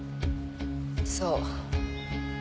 そう。